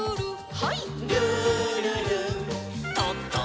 はい。